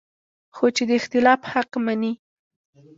خو چې د اختلاف حق مني